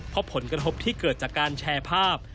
เพราะผลกระทบที่เกิดจากการแชร์ภาพ